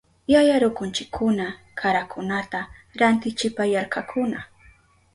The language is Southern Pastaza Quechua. Yaya rukunchikuna karakunata rantichipayarkakuna.